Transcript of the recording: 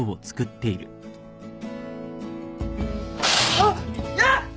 あっやっ。